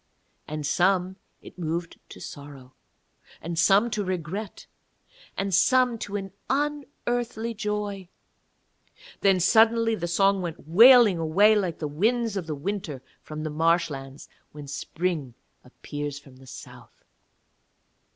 And some it moved to sorrow and some to regret, and some to an unearthly joy, then suddenly the song went wailing away like the winds of the winter from the marshlands when Spring appears from the South.